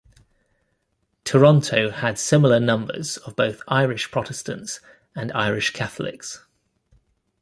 Toronto had similar numbers of both Irish Protestants and Irish Catholics.